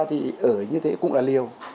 thì ở như thế cũng là liều